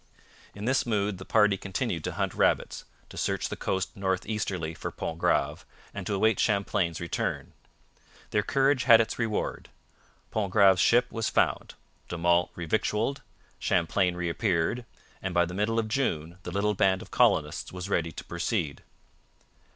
In this mood the party continued to hunt rabbits, to search the coast north easterly for Pontgrave, and to await Champlain's return. Their courage had its reward. Pontgrave's ship was found, De Monts revictualled, Champlain reappeared, and by the middle of June the little band of Colonists was ready to proceed.